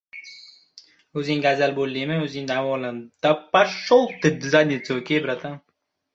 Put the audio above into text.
• O‘zing kasal bo‘ldingmi — o‘zing davolan.